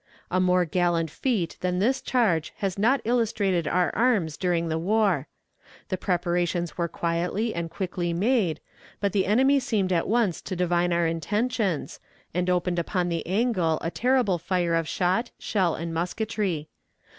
A more gallant feat than this charge has not illustrated our arms during the war. The preparations were quietly and quickly made, but the enemy seemed at once to divine our intentions, and opened upon the angle a terrible fire of shot, shell, and musketry.